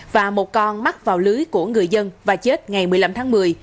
và một con mắc vào lưới của người dân và chết ngày một mươi năm tháng một mươi